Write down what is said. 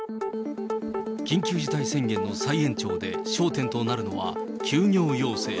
緊急事態宣言の再延長で焦点となるのは休業要請。